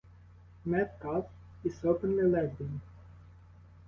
Metcalf is openly lesbian.